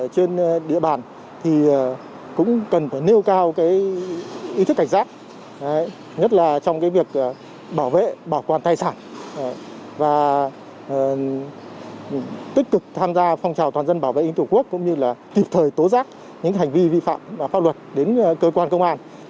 nhưng do sự chủ quan lơ là mất cảnh giác của người dân trong việc bảo vệ tài sản của mình nên đã vô tình tạo kẽ hở cho tội phạm hoạt động